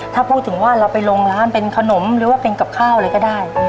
ถ้าพูดถึงว่าเราไปลงร้านเป็นขนมหรือว่าเป็นกับข้าวอะไรก็ได้